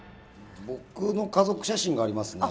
僕の家族写真がありますね。